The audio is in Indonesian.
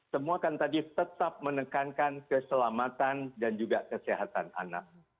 semua kan tadi tetap menekankan keselamatan dan juga kesehatan anak